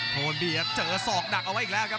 โดนเบียดเจอศอกดักเอาไว้อีกแล้วครับ